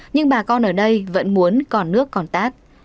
nhưng bà con ở đây vẫn muốn còn nước còn tát